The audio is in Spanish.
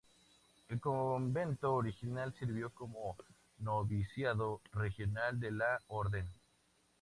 El convento original sirvió como noviciado regional de la orden.